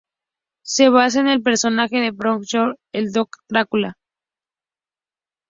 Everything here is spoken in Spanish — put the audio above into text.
Se basa en el personaje de Bram Stoker, el Conde Drácula.